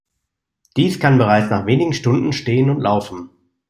Dieses kann bereits nach wenigen Stunden stehen und laufen.